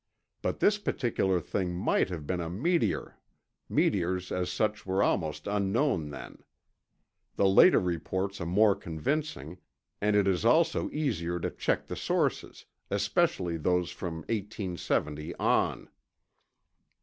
But this particular thing might have been a meteor—meteors as such were almost unknown then. The later reports are more convincing, and it is also easier to check the sources, especially those from 1870 on."